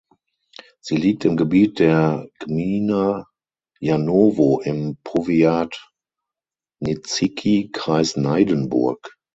Sie liegt im Gebiet der Gmina Janowo im Powiat Nidzicki (Kreis "Neidenburg").